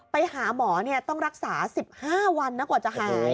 ไปหาหมอเนี่ยต้องรักษา๑๕วันแล้วกว่าจะหาย